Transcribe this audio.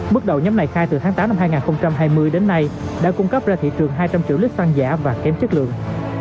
bước đầu nhóm này khai từ tháng tám năm hai nghìn hai mươi đến nay đã cung cấp ra thị trường hai trăm linh triệu lít tăng giả và kém chất lượng